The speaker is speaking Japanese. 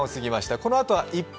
このあとは「１分！